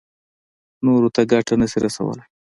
نورو ته ګټه نه شي رسولی.